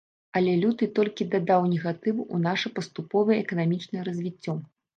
Але люты толькі дадаў негатыву ў наша паступовае эканамічнае развіццё.